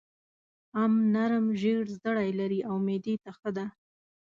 ام نرم زېړ زړي لري او معدې ته ښه ده.